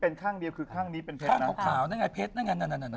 เป็นข้างเดียวข้างนี้เป็นเพ็ดนะ